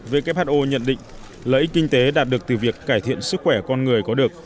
who nhận định lợi ích kinh tế đạt được từ việc cải thiện sức khỏe con người có được